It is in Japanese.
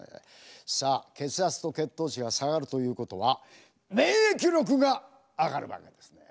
さあ血圧と血糖値が下がるということは免疫力が上がるわけですね。